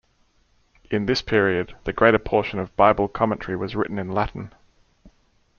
In this period, the greater portion of Bible commentary was written in Latin.